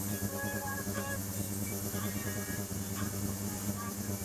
Finalmente, el diseño fue modificado.